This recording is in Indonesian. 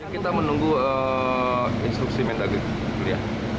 kita menunggu instruksi mendagri